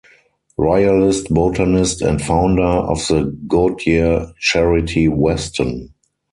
Royalist, Botanist, and founder of the Goodyer Charity Weston.